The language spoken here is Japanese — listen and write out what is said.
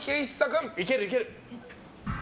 いけるいける！